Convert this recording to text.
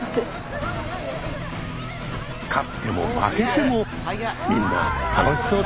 勝っても負けてもみんな楽しそうです。